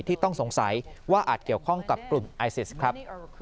ต้องสงสัยว่าอาจเกี่ยวข้องกับกลุ่มไอซิสครับ